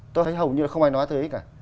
tôi thấy hầu như là không ai nói tới cả